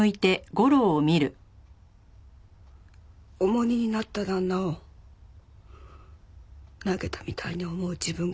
重荷になった旦那を投げたみたいに思う自分が嫌なだけ。